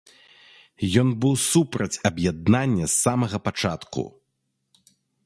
Ён быў супраць аб'яднання з самага пачатку.